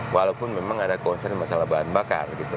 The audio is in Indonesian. walaupun memang ada concern masalah bahan bakar gitu